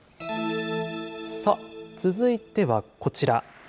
続いてはこちら。